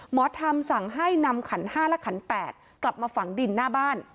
หมอธรรมสั่งให้นำขัน๕และขัน๘กลับมาฝังดินหน้าบ้าน